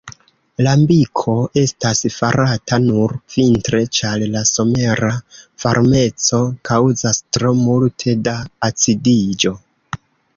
Lambiko estas farata nur vintre, ĉar la somera varmeco kaŭzas tro multe da acidiĝo.